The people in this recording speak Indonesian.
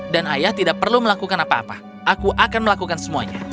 ayah tidak perlu melakukan apa apa aku akan melakukan semuanya